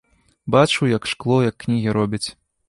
Бачыў, як шкло, як кнігі робяць.